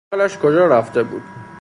عقلش کجا رفته بود؟